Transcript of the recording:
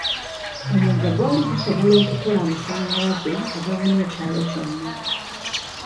Omugga gwali gusobola okukola amasanyalaze agabuna ekyalo kyonna.